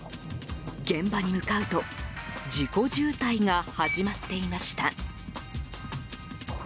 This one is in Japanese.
現場に向かうと事故渋滞が始まっていました。